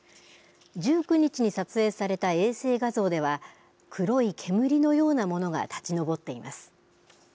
１９日に撮影された衛星画像では黒い煙のようなものが立ち上っています。